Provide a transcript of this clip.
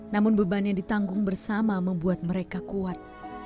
namun beban yang ditanggung bersama membuat mereka kuat